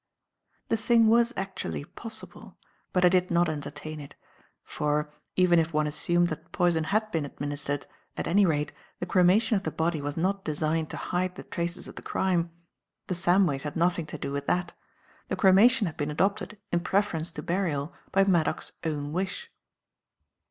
The thing was actually possible; but I did not entertain it; for, even if one assumed that poison had been administered, at any rate, the cremation of the body was not designed to hide the traces of the crime. The Samways had nothing to do with that; the cremation had been adopted in preference to burial by Maddock's own wish.